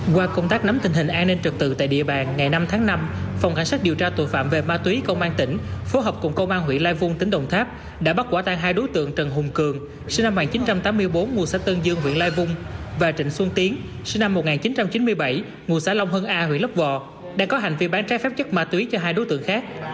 qua công tác nắm tình hình an ninh trực tự tại địa bàn ngày năm tháng năm phòng cảnh sát điều tra tội phạm về ma túy công an tỉnh phối hợp cùng công an huyện lai vung tỉnh đồng tháp đã bắt quả tan hai đối tượng trần hùng cường sinh năm một nghìn chín trăm tám mươi bốn ngụ xã tân dương huyện lai vung và trịnh xuân tiến sinh năm một nghìn chín trăm chín mươi bảy ngụ xã long hưng a huyện lấp vò đang có hành vi bán trái phép chất ma túy cho hai đối tượng khác